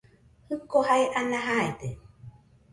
Jiko jae ana jaide.